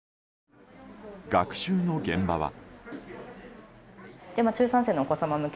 学習の現場は。